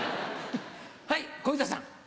はい、小遊三さん。